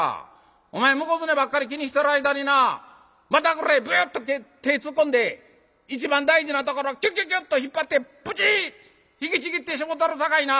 お前向こうずねばっかり気にしてる間にな股ぐらへビュっと手ぇ突っ込んで一番大事なところキュキュキュっと引っ張ってブチッ引きちぎってしもたるさかいな！」。